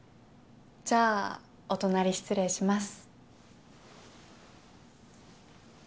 じゃあお隣失礼します。